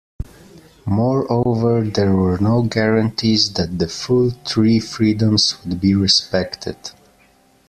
Moreover, there were no guarantees that the full three freedoms would be respected.